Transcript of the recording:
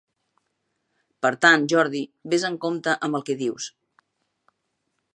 Per tant, Jordi, ves en compte amb el que dius.